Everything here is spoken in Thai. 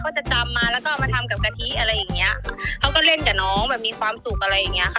จะจำมาแล้วก็เอามาทำกับกะทิอะไรอย่างเงี้ยเขาก็เล่นกับน้องแบบมีความสุขอะไรอย่างเงี้ยค่ะ